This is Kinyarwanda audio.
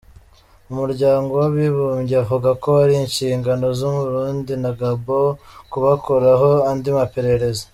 Umuryango w'abibumbye uvuga ko ari ishingano z'Uburundi na Gabon kubakoraho andi maperereza.